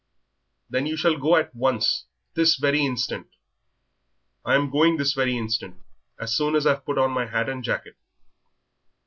"Then you shall go at once this very instant." "I'm going this very instant, as soon as I've put on my hat and jacket."